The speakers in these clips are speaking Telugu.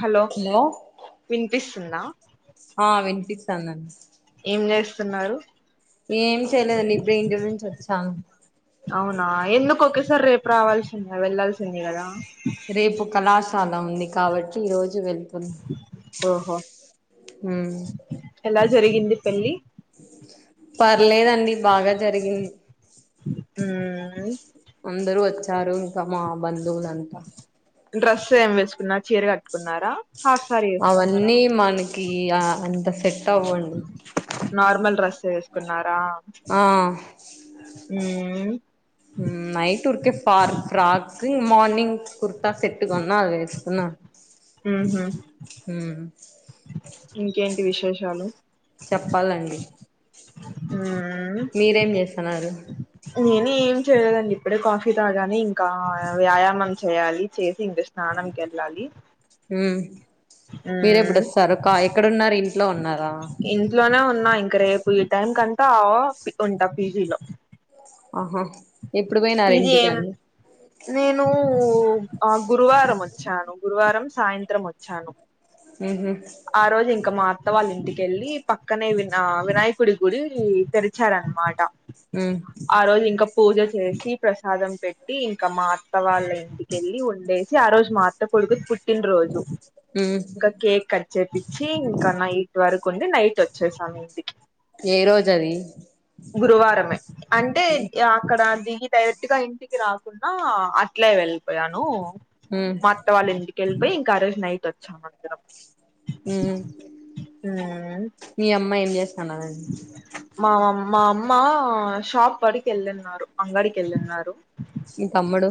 హలో వినిపిస్తుంద ఆ వినిపిస్తాంది అన్ తున్నారు ఏం చేయలేదండి ఇప్పుడే ఇంటి నుంచి వచ్చా అవునా ఎందుకు ఒకేసారి రేపు రావాల్సింది వెళ్ళల్సింది కదా రేపు కళాశాల ఉంది కాబట్టి ఈ రోజు వెళ్తుంన ఓహో హు ఎలా జరిగింది పెళ్లి పర్లేదండి బాగ జరిగింది ఊ అందరూ వచ్చారు ఇంకా మా బంధువులంతా డ్రెస్ ఏమి వేసుకున్న చీర కట్టుకున్నార అవన్నీ మనకి అంత సెట్ అవ్వండి డ్రస్ వేసుకున్న ఆ ఊ night Uikey far frock morning kurta set గొన్న అది వేసుకున్నా ఉ హు ఉమ్ ఇంకేంటి విశేషాలు చెప్పాలండి మీరేం చేస్తున్నారు నేనే చేయలేదండి ఇప్పుడే కాఫీ తాగాను ఇంకా వ్యాయామం చేయాలి చేసి ఇంక స్నానం కేళ్ళాలి మీరేప్పుడొస్తారు కా ఎక్కడున్నారు ఇంట్లో ఉన్నారా ఇంట్లోనే ఉన్నా ఇంక రేపు ఈ టైం కంతా ఉంటా పీజీలో ఆహా ఎప్పుడు పోయినారు పిజి ఇంటికి ఎం అండి నేను ఆ గురువారం వచ్చాను గురువారం సాయంత్రం వచ్చాను ఉహు ఆ రోజు ఇంకా మా అత్త వాళ్ళ ఇంటికెళ్ళి పక్కనే వి వినాయకుడి గుడి తెరిచారనమాట మ్ ఆ రోజు ఇంకా పూజ చేసి ప్రసాదం పెట్టి ఇంకా మాత్త వాళ్ళ ఇంటికెల్లి ఉండేసి ఆ రోజు మాత్త కొడుకుది పుట్టిన రోజు ఉమ్ ఇంకా కేక్ కట్ పించి ఇంకా నైట్ వరకు ఉండి నైట్ వచ్చేసాం ఇంటికి ఏ రోజు అది గురువారమే అంటే అక్కడ దిగి డైరెక్ట్గా ఇంటికి రాకుండా అట్లే వెళ్ళిపోయాను ఉమ్ మా అత్త వాళ్ళ ఇంటికెళ్ళిపోయి ఇంకా ఆ రోజు నైట్ వచ్చాం అందరం ఉమ్, మీ అమ్మా ఏం చేస్తాన మామ్ మా అమ్మ షాప్ కాడికి వెళ్ళిన్నారు అంగడికి వెల్లిన్నారు ఇ తమ్ముడు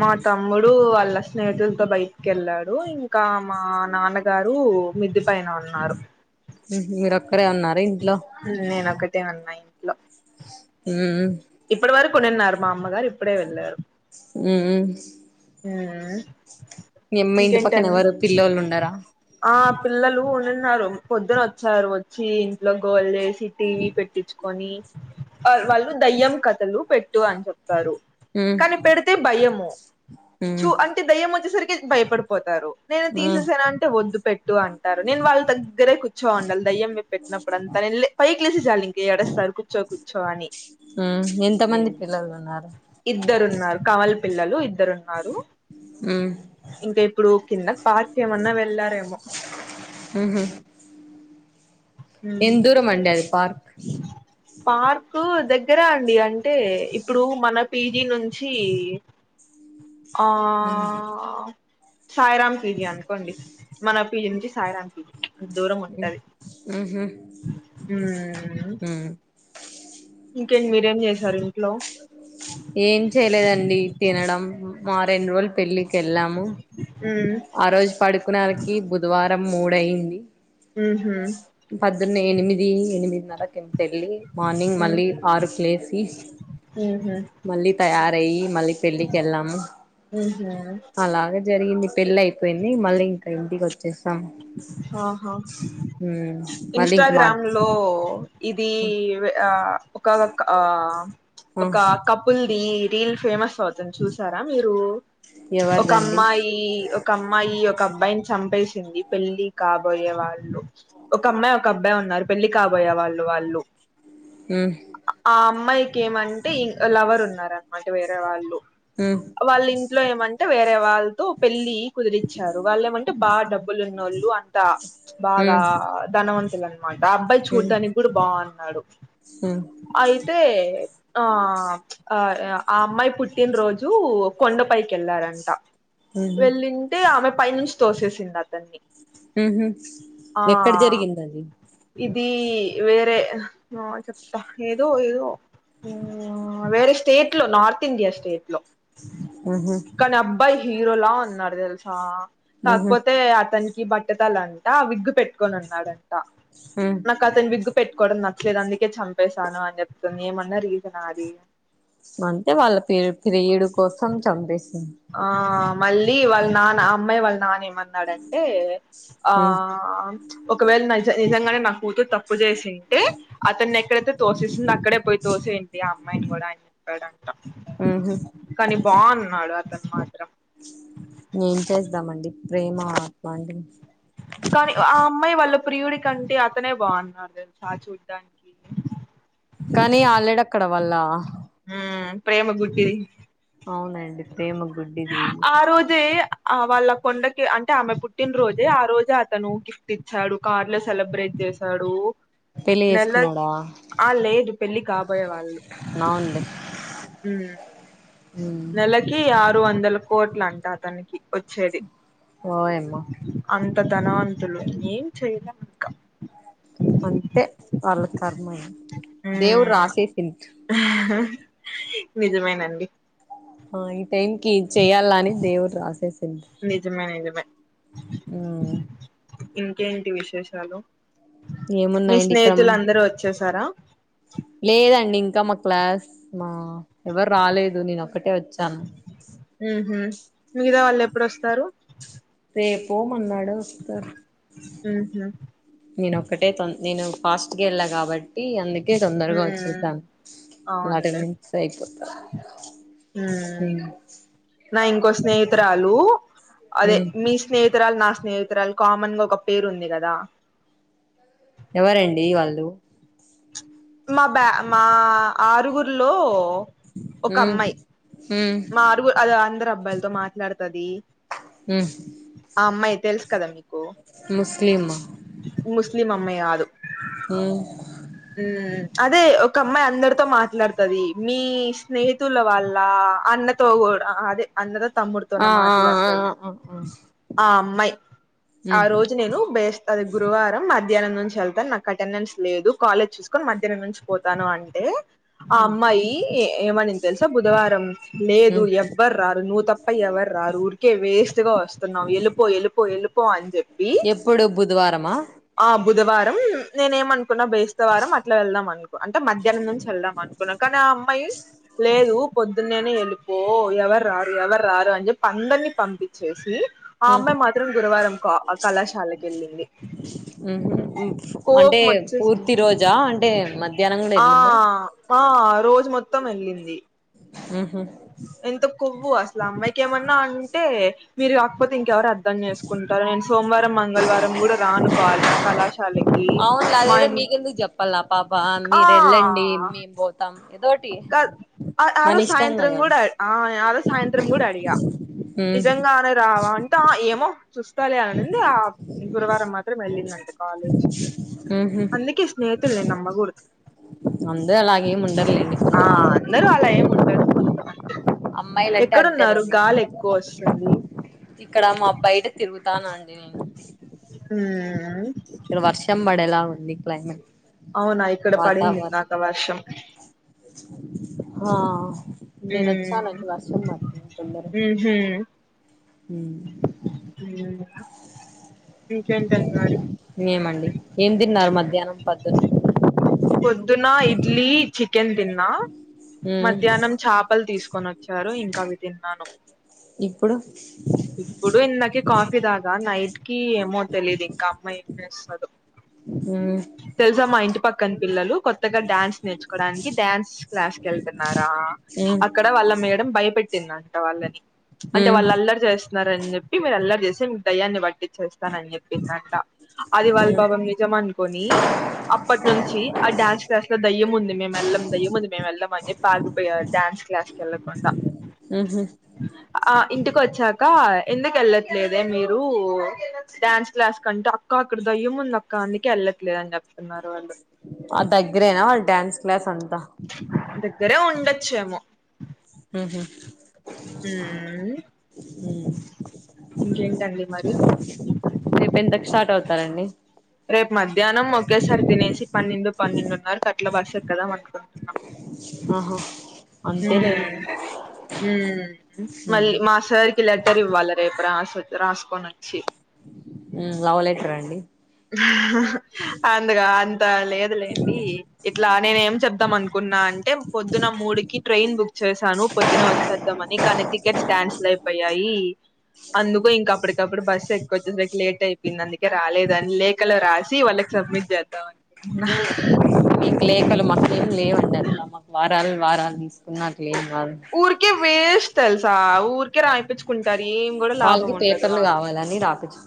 మా తమ్ముడు వాళ్ళ స్నేహితులతో బయటికి కేళ్ళాడు ఇంకా మా నాన్నగారు రు మిద్ది పైన ఉన్నారు ఉహు మీరొక్కరే ఉన్నారా ఇంట్లో నేనొక్కటే ఉన్నా ఇంట్లో ఉ ప్పునీన్నారు మా అమ్మ గారు ఇప్పుడే వెళ్ళారు ఉ ఇంటి పక్కన ఇంకేంటండి ఎవరు పిల్లోళ్ళు ఉండరా ఆ పిల్లలు ఉండిన్నారు పొద్దున వచ్చారు వచ్చి ఇంట్లో గోల చేసి టీవీ పెట్టించుకొని వాళ్ళు దయ్యం కథలు పెట్టు అని చెప్ ప్పారు ఉమ్ కానీ పెడితే భయము ఉమ్ చూ అంటే దయము వచ్చేరికి భయపడిపోతారు నేను ఉమ్ తీసేసేన అంటె వద్దు పెట్టు అంటారు నేను వాళ్ళ దగ్గరే కూర్చో ఉండాలి దయ్యంవే పెట్టినప్పుడు అంతా నే పైకి లేేసే చాలి ఇంక ఏడేస్తాడు కూర్చో కూర్చో అని ఉ ఎంత మంది పిల్లలు ఉన్నారు ఇద్దరున్నారు కావాలి పిల్లలు ఇద్దరున్నారు ఉమ్ ఇంకా ఇప్పుడు కింద పార్క్ ఏమన్నా వెళ్లారేమో ఉహు ఎంత దూరం అండి అది పార్క్ పార్కు దగ్గర అండి అంటే ఇప్పుడు మన పీజీ నుంచి ఆ సాయిరాం పిజీ అనుకోండి మన పీజీ నుంచి సాయిరాం పిజీ ఉహు ఉ ఉమ్ ఇంకేంటి మీరేం చేసారు ఇంట్లో ఏం చేయలేదండి తినడం మా రెండు రోజులు పెళ్ళికి వెళ్ళాము మ్మ్ ఆ రోజు పడుకునానికి బుధవారం మూడు అయింది మ్మ్ హ్మ్ ప్రొద్దున్నే ఎనిమిది ఎనిమిదిన్నరకు ఎ పెళ్ళి మార్నింగ్ మళ్ళీ ఆరు కి లేసి ఉ మళ్ళీ తయారయి మళ్ళీ పెళ్లికెళ్ళము మ్మ్ హ్మ్ అలాగే జరిగింది పెళ్లి అయిపోయింది మళ్ళీ ఇంకా ఇంటికి వచ్చేసి ఆహా ఉమ్ మళ్ళీ ఇంక మా ఇన్స్టాగ్రామ్ లో ఇది ఒక ఒకనొక ఆ ఒక కపుల్ ఈ రీల్ ఫేమస్ అవుతుంది చూసారా మీరు ఒక ఎవరిదండి అమ్మాయి ఒక అమ్మాయి ఒక అబ్బాయిని చంపేసింది పెళ్లి కాబోయే వాళ్ళు ఒక అమ్మాయి ఒక అబ్బాయి ఉన్నారు పెళ్లి కాబోయే వాళ్ళు వాళ్ళు హు ఆ అమ్మాయికి ఏమంటే ఇం లవర్ ఉన్నారు అనమాట వేరే వాళ్ళు ఉ వాళ్ళ ఇంట్లో ఏమంటే వేరే వాళ్ళతో పెళ్ళి కుదిరిచ్చారు వాళ్ళ ఏమంటే బాగా డబ్బు ఉన్నోళ్ళు అంట బాగా ఉమ్ ధనవంతుల అనమాట అబ్బాయి ఉమ్ చూడడాానికి కూడా బాగు నాడు ఉమ్ అయితే ఆ ఆ ఆ అమ్మాయి పుట్టిన రోజు కొండపైకి వెళ్లారంట ఉహు వెళ్ళింటే ఆమె పై నుంచి తోసేసింది అతన్ని ఉహు ఎక్కడ ఆ జరిగింది అది ఇది వేరే చెప్తా ఏదో ఏదో వేరే స్టేట్ లో నార్త్ ఇండియా స్టేట్ లో ఉహు కానీ అబ్బాయి హీరోలా ఉన్నాడు తెలుసా ఉహు కాకపోతే అతనికి బట్టతల అంట విగ్గు పెట్టుకని ఉన్నాడంట ఉ నాకు అతను విగ్గు పెట్టు కోవడం నచ్చలేదు అందుకే చంపేశాను అని చెప్తుంది ఏమన్నా రీజన్ అది అంటే వాళ్ళ ప్రీ ప్రియుడు కోసం చంపేసింది ఆ మళ్ళీ వాళ్ళ నాన్న అమ్మాయి వాళ్ళ నాన్న ఏమన్నాడంటే ఆ ఉ ఒకవేళ నిజ నిజంగానే నా కూతురు తప్పు తప్పు చేసింటే అతన్ని ఎక్కడైతే తోసేసింధో అక్కడే పోయి తోసెయ్ అండి ఆ అమ్మాయిని కూడా అనీ చెప్పాడంట ఉహు కానీ బాగున్నాడు అతను మాత్రం ఏం చేద్దామండి ప్రేమ అట్లాడిది కానీ ఆ అమ్మాయి వాళ్ళ ప్రియుడి కంటే అతనే బాగున్నాడు తెలుసా చూడ్డానికి కానీ ఆల్రెడీ అక్కడ వాళ్ళ ఉ ప్రేమ గుడ్డిది అవునండి ప్రేమ గుడ్డిది ఆ రోజే ఆ వాళ్ళ కొండకి అంటే ఆమె పుట్టినరోజే ఆ రోజే అతను గిఫ్ట్ ఇచ్చాడు కార్ లో సెలబ్రేట్ జేశాడు పెళ్లి నెల చేసుకున్నాడా ఆ లేదు పెళ్లి కాబోయే వాళ్ళు అవునులే ఉ నెలకి ఆరు ఆరు వందల కోట్ల అంట అతనికి వచ్చేది వాయమ్మో అంత ధనవంతులు ఏం చేయలేం ఇంకా అంతే వాళ్ళ కర్మయ్య దేవుడు మ్మ్ రాసేసిండు నిజమేనండి ఆ ఈ టైం కి ఇది చెయ్యాలని దేవుడు రాసేసిండు నిజమే నిజమే ఆ ఇంకేంటి విశేషాలు మీ ఏమున్నాయండి ఇక్కడమ్ స్నేహితులు అందరూ వచ్చేసారా లేదండి ఇంకా ఇంకా మా క్లాస్ మా ఎవరు రాలేదు నేను ఒక్కటే వచ్చ ఆహ మిగతా వాళ్ళు ఎప్పుడుస్తారు రేపో మరున్నాడో వస్తరు ఆహ తొ నేను ఫాస్ట్ గెల్ల కాబట్టి అందుక తొందరగా మ్మ్ వచ్చేసాను వార్డెన్ అవునులే నుంచి సైకో ఉమ్ అ నా ఇంకో స్నేహితురాలు అదే ఉమ్ మీ స్నేహి తురాలు నా స్నేహితురాలు కామన్ గా ఒక పేరు ఉంది కదా ఎవరండి వాళ్ళు మా బ్యా మా ఆరుగురిలో ఆ మారుగురు అది అందరు అబ్బాయిలతో మాట్లాడుతది ఉమ్ ఆ అమ్మాయి తెలుసు కదా మీకు ముస్లిమ్ ఇది మమ్మీ కాదు మ్మ్ అదే ఒక అమ్మాయి అందరితో మాట్లాడుతది మీ స్నేహితుల వాళ్ల అన్నతో కూడా అదే అన్నతో తమ్ముడితోన ఆ ఆ ఆ మాట్లాడుతది ఆ ఆ ఆ అమ్మాయి ఆ ఉమ్ రోజు నేను బేస్తది గురువారం మద్ మధ్యాహ్నం నుంచి వెళ్తాను నాకు అటెండెన్స్ లేదు కాలేజ్ చూసుకొని మధ్యాహ్నం నుంచి పోతాను అంటే ఆ ఉమ్ అమ్మాయి ఏమనింది తెలుసా బుధవారం లేదు ఉమ్ ఎవ్వరు రారు నువ్వు తప్ప ఎవ్వరు రారు ఊరుకే వేస్ వస్తున్నావు వెళ్ళిపో వెళ్ళిపో వెళ్ళిపో అని చెప్పి ఎప్పుడు బుధవారమా ఆ బుధవారం నేనే ఏమనుకున్నా బేస్తవారం అట్లా వెళ్దాం అనుకున్నా అంటే మధ్యాహ్నం నుంచి వెళ్దాం అనుకున్నాం కానీ ఆ అమ్మాయి లేదు పొద్దు నేనే వెళ్ళిపో ఎవరు రారు ఎవరు రారు అని చెప్పి అందరిని పంపించేసి ఆ ఉమ్ అమ్మాయి మాత్రం గురువారం కళాశాలకి వెళ్ళింది అంటే కోపమాచ్చేసింది పూర్తి రోజా అంటే మధ్యాహ్నం కూడా ఆ వెళ్ళిందా ఆ రోజు మొత్తం వెళ్ళింది ఎంత కొవ్వు అసలు అమ్మాయికి ఏమన్నా అంటే మీరు కాకపోతే ఇంకెవరు అ అర్థం చేసుకుంటారు నేను సోమవారం మంగళవారం కూడా రానుకోవాలి ఆ కళాశాలకి అవును లే మా అదేదో ఇం మీకెందుకు చెప్పాలా పాప మీరు వెళ్ళండి మేం పోతాం ఏదోటి కాదు ఆ మన ఆరోజు ఇష్టం సాయంత్రం కదా కూడా ఆ ఆరో సాయంత్రం కూడా అడిగా నిజంగానే రావా అంటే ఏమో చూస్త లే అనింది ఆ గురువారం మాత్రం వెళ్ళిందింట కాలేజీ అందుకే స్నేహితులు నమ్మ కూడదు అందరూ అలాగేమ్ ఉండరులెండి ఆ అందరూ అలా ఏం ఉండరు కొంతమంది అమ్మాయిలంటే ఎక్కడున్నారు అంతేనండి గాలి ఎక్కువ వస్తుంది ఇక్కడ మా బయట తిరుగుతానండి నేను మ్ ఎలా ఉన్నంది క్లైమేట్ అవునా ఇక్కడ పడింది ఇందాక వర్షం ఆా మ్ మ్ హు మ్ మ్ ఏమండి ఏం తిన్నారు మధ్యాహ్నం పద్దులు పొద్దునా ఇడ్లీ చికెన్ తిన్నా మ్మ్ మధ్యాహ్నం చపలు తీసుకొని వచ్చారు ఇంకా అవి తిన్నాను ఇప్పుడు ఇప్పుడు ఇందకే కాఫీ తకా నైట్ కి ఏమో తెలిదు ఇం క అమ్మ ఇస్తదో మ్మ్ తెలుసా మా ఇంటి పక్కన పిల్లలు కొత్తగా డాన్స్ నేర్చుకోడానికి డ్యాన్స్ క్లాస్కి వెళ్తున్నారు మ్మ్ అక్కడ వాళ్ళ మేడం భయపెట్టిందంట వాళ్ళని అంటే మ్మ్ వాళ్ళు అల్లరి చేస్ ారని చెప్పి మీరు అల్లరి చేసి మీకు దయ్యాన్ని బట్టి చేస్తానని చెప్పిందంట అది వాళ్ళు పాపం నిజమను కోని అప్పటి నుంచి ఆ డ్యాన్స్ క్లాస్ లో దయ్యం ఉంది మే మెల్లం దయ్యి ఉంది మే మేల్లం అని ఆగిపోయారు డన్స్ క్లాస్కి వెళ్ళకుండా మ్మ్ మ్మ్ ఆ ఇంటికోచ్చా క ఎందుకు వెళ్ళట్లేదే మీరు డ్యాన్స్ క్లాస్కు అంటే అక్క అక్కడ దయ్యముందక్క అందు కే ఏళ్లట్లేదని చెప్ ఆ దగ్గరేనా వాళ్ళ డ్యాన్స్ క్లాస్ అ దగ్గరే ఉండొచ్చేమో మ్ హు ఉమ్ మ్ ఇంకేంటండి మరి రేపు ఎంతకు స్టార్ట్ అవుతారండి రేపు మధ్యాహ్నం ఒకేసారి తినేసి పన్నెండు పన్నెండున్నారకు అట్లా బస్సు ఎక్కుదాం అనుకుంటున్నా ఆహా మ్ అంతేలేండి మ్ మ్మ్ మల్లి మా సర్ కి లే టరివ్వాలే రేపు రాసు రాసుకోనోచ్చి మ్ లవ్ లెటర అండి అందుగా అం లేదులేండి ఇట్లా నేను ఏం చెప్దాం అనుకున్నా అంటే పొద్దున మూడుకి ట్రైన్ బుక్ చేసాను పొద్దున వచ్చేద్దాంమని కానీ టికెట్స్ క్యాన్సిల్ అయిపోయాయి అందుకు ఇంకా అప్పటి కప్పుడు బస్ ఎక్కి వచ్చేసరికి లేట్ అయిపోయింది అందుకే ర దాని లేఖలో రాసి వాళ్ళకి సబ్మిట్ చేద్దామని ఉండవండి అట్లా మాకు వారాలు వారాలు తీసుకున్నట్లేం కాదు త ఊరికే రాపిచ్చుకుంటారు ఏం కూడా లాభం వాళ్ళకి ఉండదు పేపర్లు కావాలని రాపిచ్చు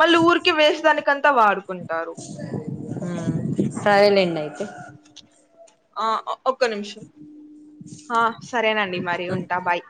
మళ్ళీ ఊరికే వేస్ట్ దానికంతా వాడుకుంటారు సరే లేండి అయితే ఆ ఒక్క నిమిషం అ సరేనండి మరి మ్మ్ ఉంటా బాయ్